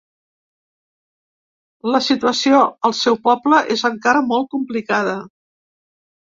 La situació al seu poble és encara molt complicada.